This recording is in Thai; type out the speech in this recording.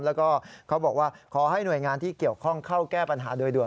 แล้วก็เขาบอกว่าขอให้หน่วยงานที่เกี่ยวข้องเข้าแก้ปัญหาโดยด่วน